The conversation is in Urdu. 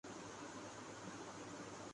تیری مہر و وفا کے باب آئے